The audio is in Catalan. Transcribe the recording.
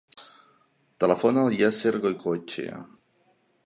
Telefona al Yasser Goicoechea.